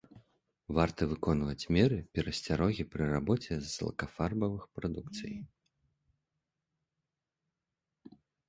Варта выконваць меры перасцярогі пры рабоце з лакафарбавых прадукцыяй.